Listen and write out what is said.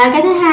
cái thứ hai